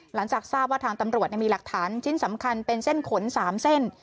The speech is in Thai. หลังจากทราบว่าทางตำรวจมีหลักฐานชิ้นสำคัญเป็นเส้นขน๓เส้น